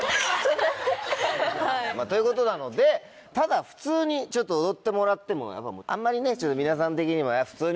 ということなのでただ普通に踊ってもらってもあんまりね皆さん的にも。